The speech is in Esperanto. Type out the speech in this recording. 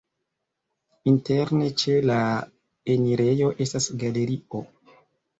Interne ĉe la enirejo estas galerio.